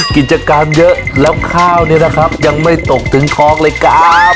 กิจกรรมเยอะแล้วข้าวนี้นะครับยังไม่ตกถึงท้องเลยครับ